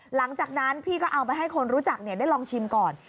หลังจากนั้นพี่ก็เอาไปให้คนรู้จักได้ลองชิมก่อน